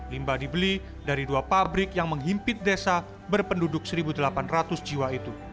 limba dibeli dari dua pabrik yang menghimpit desa berpenduduk satu delapan ratus jiwa itu